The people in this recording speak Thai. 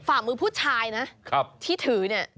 ฝ่ามือผู้ชายนะที่ถือเนี่ย